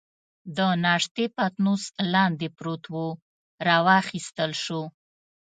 د ناشتې پتنوس لاندې پروت وو، را واخیستل شو.